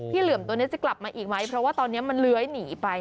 เหลือมตัวนี้จะกลับมาอีกไหมเพราะว่าตอนนี้มันเลื้อยหนีไป